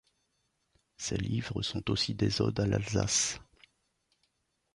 Ses livres sont aussi des odes à l'Alsace.